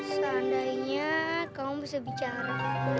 seandainya kamu bisa bicara